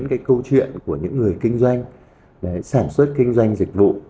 là cái câu chuyện của những người kinh doanh để sản xuất kinh doanh dịch vụ